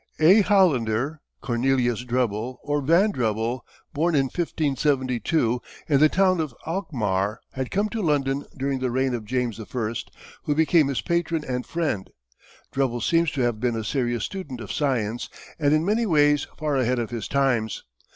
A Hollander, Cornelius Drebel, or Van Drebel, born in 1572, in the town of Alkmaar, had come to London during the reign of James I., who became his patron and friend. Drebel seems to have been a serious student of science and in many ways far ahead of his times.